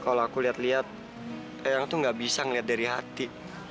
kalau aku lihat lihat eyang tuh gak bisa ngeliat dari hati